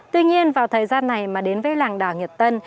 tuy nhiên vào thời gian này mà đến với làng đào nghệ tân